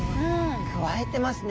くわえてますね。